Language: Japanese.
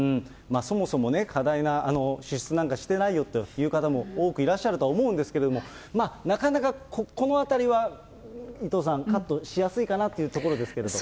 そもそもね、過大な支出なんかしてないよという方も多くいらっしゃると思うんですけれども、なかなかこのあたりは伊藤さん、カットしやすいかなというところですけれども。